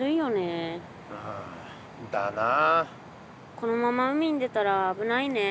このまま海に出たらあぶないね。